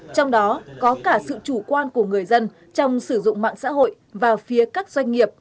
trong đó có cả sự chủ quan của người dân trong sử dụng mạng xã hội và phía các doanh nghiệp